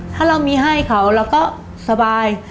ถ้าเรามีให้เขาเราก็สบาย